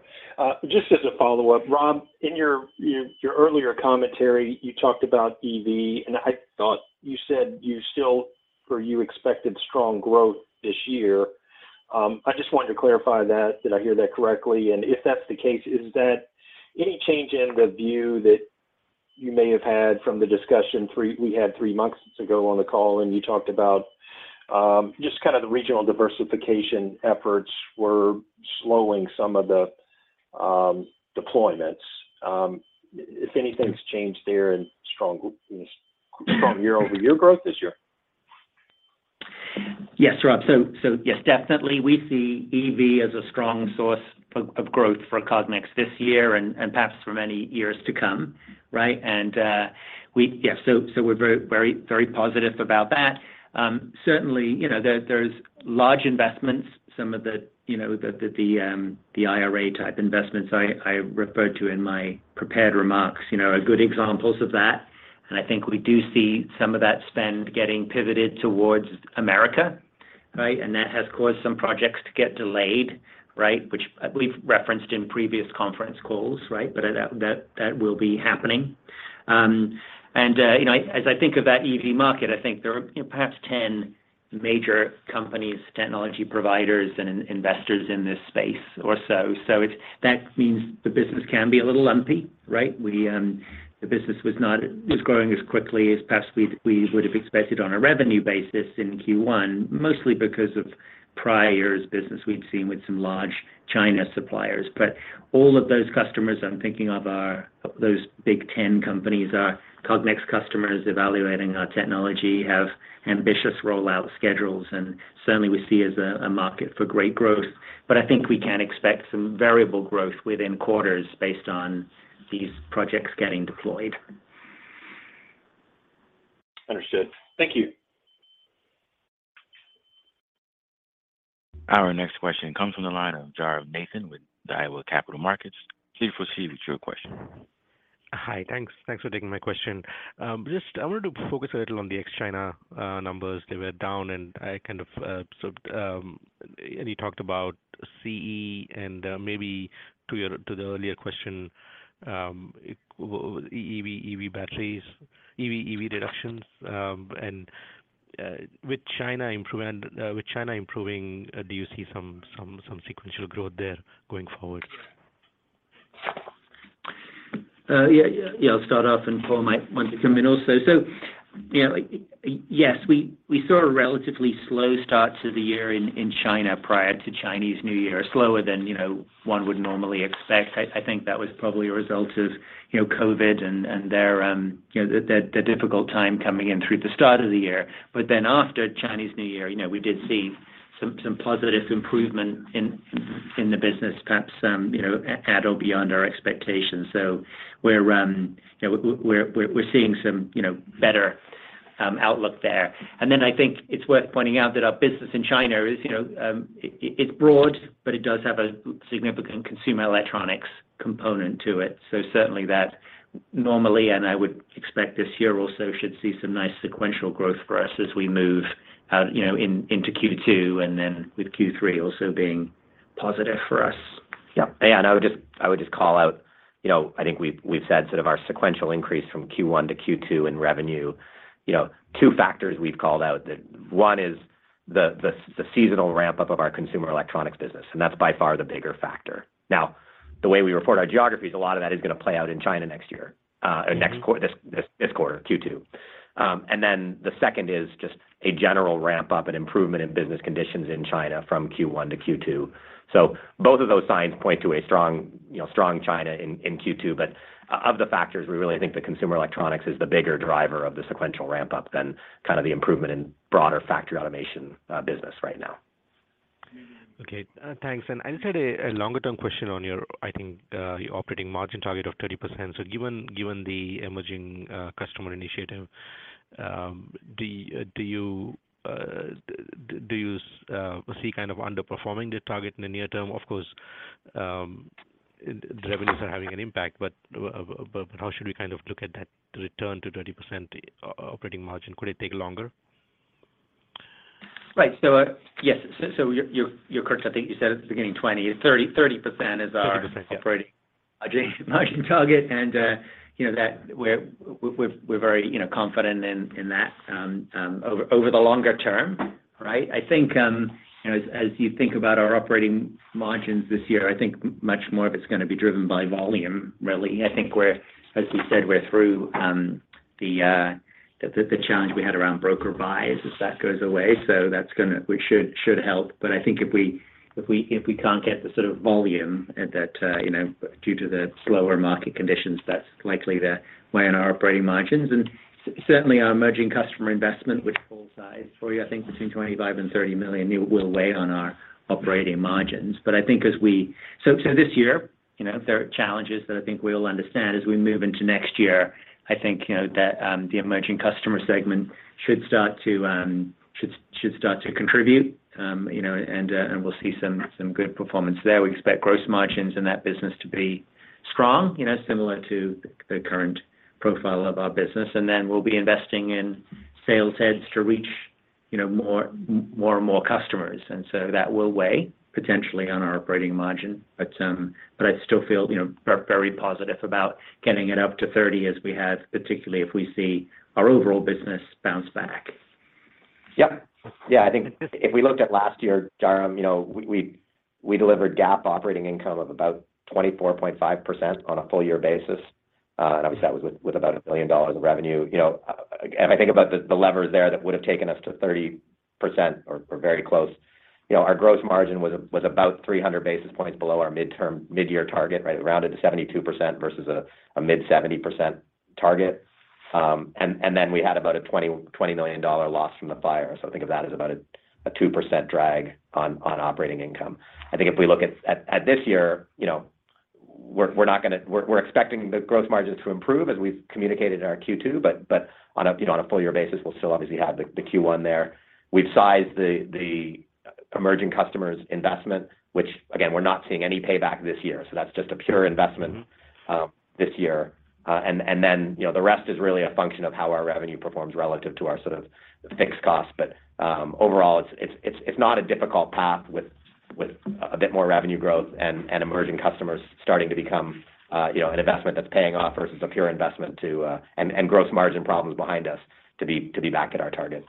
Just as a follow-up, Rob, in your earlier commentary, you talked about EV, and I thought you said you still, or you expected strong growth this year. I just wanted to clarify that, did I hear that correctly? If that's the case, is that any change in the view that you may have had from the discussion we had three months ago on the call and you talked about, just kind of the regional diversification efforts were slowing some of the deployments? If anything's changed there in strong, you know, strong year-over-year growth this year? Yes, Rob. Yes, definitely we see EV as a strong source of growth for Cognex this year and perhaps for many years to come, right? Yeah, we're very positive about that. Certainly, you know, there's large investments, some of the, you know, the IRA type investments I referred to in my prepared remarks, you know, are good examples of that. I think we do see some of that spend getting pivoted towards America, right? That has caused some projects to get delayed, right? Which I believe referenced in previous conference calls, right? That will be happening. You know, as I think of that EV market, I think there are perhaps 10 major companies, technology providers and in-investors in this space or so. That means the business can be a little lumpy, right? We, the business is growing as quickly as perhaps we would've expected on a revenue basis in Q1, mostly because of prior year's business we'd seen with some large China suppliers. All of those customers I'm thinking of are those big 10 companies are Cognex customers evaluating our technology, have ambitious rollout schedules, and certainly we see as a market for great growth. I think we can expect some variable growth within quarters based on these projects getting deployed. Understood. Thank you. Our next question comes from the line of Paul Chung with Daiwa Capital Markets. Please proceed with your question. Hi. Thanks. Thanks for taking my question. Just I wanted to focus a little on the ex-China numbers. They were down. You talked about CE and maybe to the earlier question, EV batteries, EV reductions, and with China improving, do you see some sequential growth there going forward? Yeah, I'll start off, and Paul might want to come in also. You know, yes, we saw a relatively slow start to the year in China prior to Chinese New Year, slower than, you know, one would normally expect. I think that was probably a result of, you know, COVID and their, you know, the difficult time coming in through the start of the year. After Chinese New Year, you know, we did see some positive improvement in the business, perhaps, you know, at or beyond our expectations. We're, you know, we're seeing some, you know, better outlook there. I think it's worth pointing out that our business in China is, you know, it's broad, but it does have a significant consumer electronics component to it. Certainly that normally, and I would expect this year also should see some nice sequential growth for us as we move out, you know, into Q2, and then with Q3 also being positive for us. Yeah. I would just, I would just call out, you know, I think we've said sort of our sequential increase from Q1 to Q2 in revenue. You know, two factors we've called out that one is the seasonal ramp up of our consumer electronics business, and that's by far the bigger factor. The way we report our geographies, a lot of that is going to play out in China next year, this quarter, Q2. The second is just a general ramp up and improvement in business conditions in China from Q1 to Q2. Both of those signs point to a strong, you know, strong China in Q2. Of the factors, we really think the consumer electronics is the bigger driver of the sequential ramp up than kind of the improvement in broader factory automation business right now. Okay, thanks. Inside a longer term question on your, I think, your operating margin target of 30%. Given the emerging customer initiative, do you see kind of underperforming the target in the near term? Of course, the revenues are having an impact, but how should we kind of look at that return to 30% operating margin? Could it take longer? Right. Yes. You're correct. I think you said at the beginning 20. 30% is our- 30%. Yeah. operating margin target. You know, that we're very, you know, confident in that over the longer term, right? I think, you know, as you think about our operating margins this year, I think much more of it's gonna be driven by volume really. I think we're, as we said, we're through the challenge we had around broker buys as that goes away. That should help. I think if we can't get the sort of volume at that, you know, due to the slower market conditions, that's likely to weigh on our operating margins. Certainly our emerging customer investment, which full size for you, I think between $25 million and $30 million, it will weigh on our operating margins. I think this year, you know, there are challenges that I think we all understand as we move into next year, I think, you know, that the emerging customer segment should start to contribute, you know, and we'll see some good performance there. We expect gross margins in that business to be strong, you know, similar to the current profile of our business. We'll be investing in sales heads to reach, you know, more and more customers. That will weigh potentially on our operating margin. I still feel, you know, very, very positive about getting it up to 30% as we have, particularly if we see our overall business bounce back. Yeah. Yeah, I think if we looked at last year, Dharam, you know, we delivered GAAP operating income of about 24.5% on a full year basis. Obviously that was with about $1 billion of revenue. You know, if I think about the levers there that would have taken us to 30% or very close, you know, our gross margin was about 300 basis points below our mid-year target, right? Rounded to 72% versus a mid 70% target. Then we had about a $20 million loss from the fire. Think of that as about a 2% drag on operating income. I think if we look at this year, you know, we're expecting the growth margins to improve as we've communicated in our Q2, but on a, you know, on a full year basis, we'll still obviously have the Q1 there. We've sized the emerging customers investment, which again, we're not seeing any payback this year, so that's just a pure investment this year. Then, you know, the rest is really a function of how our revenue performs relative to our sort of fixed cost. Overall it's not a difficult path with a bit more revenue growth and emerging customers starting to become, you know, an investment that's paying off versus a pure investment and gross margin problems behind us to be back at our targets.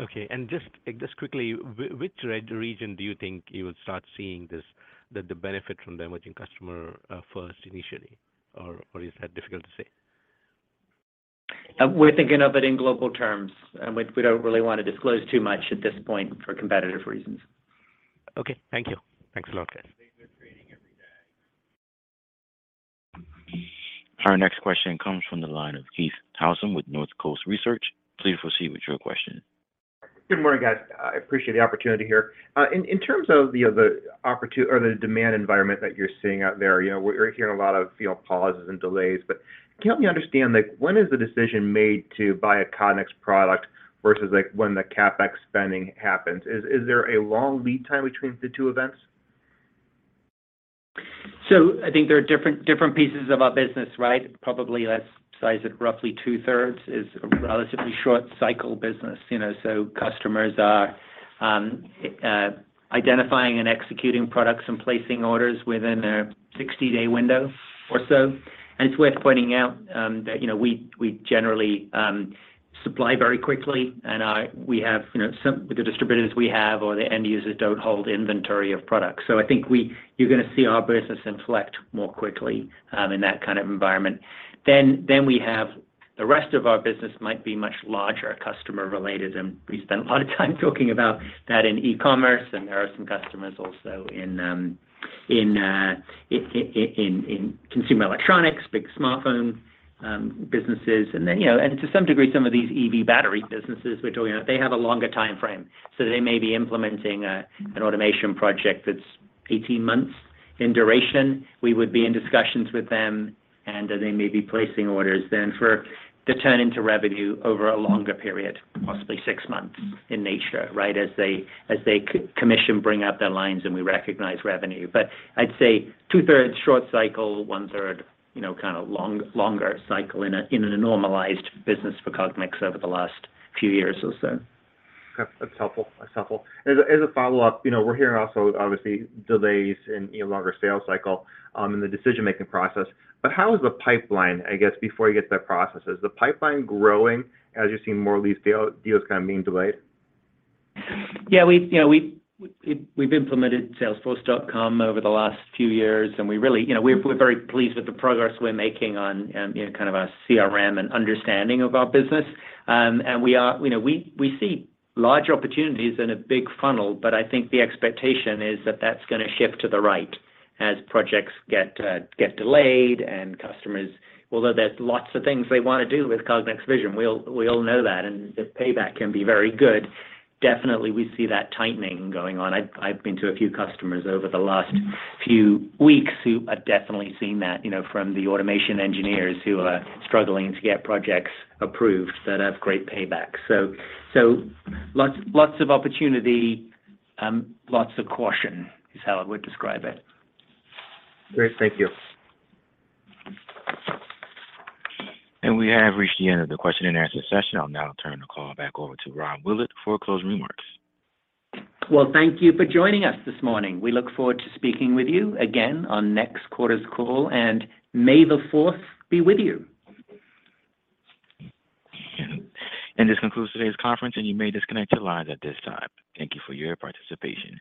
Okay. Just quickly, which region do you think you would start seeing this, the benefit from the emerging customer, first initially, or is that difficult to say? We're thinking of it in global terms, we don't really wanna disclose too much at this point for competitive reasons. Okay. Thank you. Thanks a lot. Our next question comes from the line of Keith Housum with Northcoast Research. Please proceed with your question. Good morning, guys. I appreciate the opportunity here. In terms of the demand environment that you're seeing out there, you know, we're hearing a lot of, you know, pauses and delays. Can you help me understand, like, when is the decision made to buy a Cognex product versus, like, when the CapEx spending happens? Is there a long lead time between the two events? I think there are different pieces of our business, right. Probably, let's size it, roughly two-thirds is a relatively short cycle business. You know, customers are identifying and executing products and placing orders within a 60-day window or so. It's worth pointing out that, you know, we generally supply very quickly and we have, you know, some with the distributors we have or the end users don't hold inventory of products. I think you're gonna see our business inflect more quickly in that kind of environment. We have the rest of our business might be much larger, customer-related, and we spend a lot of time talking about that in e-commerce and there are some customers also in consumer electronics, big smartphone businesses. Then, you know, to some degree some of these EV battery businesses we're talking about, they have a longer timeframe. They may be implementing a, an automation project that's 18 months in duration. We would be in discussions with them, and they may be placing orders then for the turn into revenue over a longer period, possibly six months in nature, right? As they commission bring up their lines and we recognize revenue. I'd say two-thirds short cycle, one-third, you know, kinda long-longer cycle in a, in a normalized business for Cognex over the last few years or so. Okay. That's helpful. As a follow-up, you know, we're hearing also obviously delays in, you know, longer sales cycle in the decision-making process. How is the pipeline, I guess, before you get to that process? Is the pipeline growing as you're seeing more of these deals kind of being delayed? Yeah. We've, you know, we've implemented Salesforce.com over the last few years and we really, you know, we're very pleased with the progress we're making on, you know, kind of our CRM and understanding of our business. We are, you know, we see larger opportunities in a big funnel, but I think the expectation is that that's gonna shift to the right as projects get delayed and customers, although there's lots of things they wanna do with Cognex vision, we all know that, and the payback can be very good. Definitely, we see that tightening going on. I've been to a few customers over the last few weeks who are definitely seeing that, you know, from the automation engineers who are struggling to get projects approved that have great payback. Lots of opportunity, lots of caution is how I would describe it. Great. Thank you. We have reached the end of the question and answer session. I'll now turn the call back over to Rob Willett for closing remarks. Well, thank you for joining us this morning. We look forward to speaking with you again on next quarter's call. May the fourth be with you. This concludes today's conference, and you may disconnect your lines at this time. Thank you for your participation.